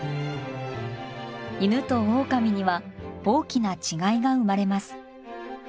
犬とオオカミには大きな違いが生まれます。